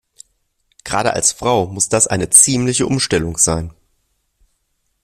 Gerade als Frau muss das eine ziemliche Umstellung sein.